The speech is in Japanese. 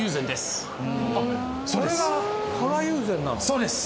そうです。